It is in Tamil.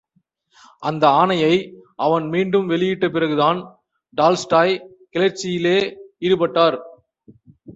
அந்த ஆணையை அவன் மீண்டும் வெளியிட்ட பிறகுதான் டால்ஸ்டாய் கிளர்ச்சியிலே ஈடுபட்டார்.